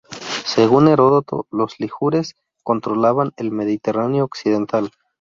Según Heródoto, los ligures controlaban el Mediterráneo occidental.